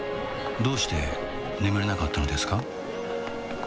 どうして眠れなかったのですか？